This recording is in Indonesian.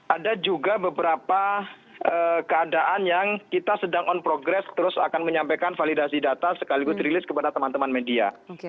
ada juga beberapa keadaan yang kita sedang on progress terus akan menyampaikan validasi data sekaligus rilis kepada teman teman media